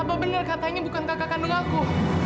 apa benar katanya bukan kakak kandung aku